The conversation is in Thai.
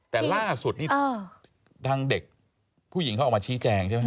แต่ล่าสุดนี่ทางเด็กผู้หญิงเขาออกมาชี้แจงใช่ไหม